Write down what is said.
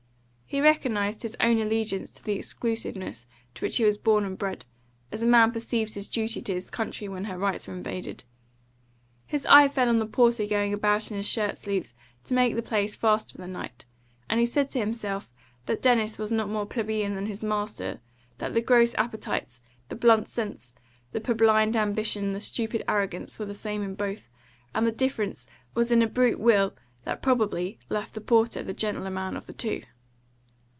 He recognised his own allegiance to the exclusiveness to which he was born and bred, as a man perceives his duty to his country when her rights are invaded. His eye fell on the porter going about in his shirt sleeves to make the place fast for the night, and he said to himself that Dennis was not more plebeian than his master; that the gross appetites, the blunt sense, the purblind ambition, the stupid arrogance were the same in both, and the difference was in a brute will that probably left the porter the gentler man of the two.